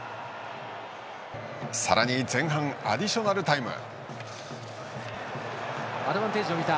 さらに前半アディショナルタイム。